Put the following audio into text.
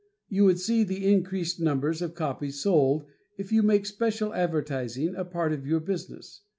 You would see the increased number of copies sold if you make special advertising a part of your business.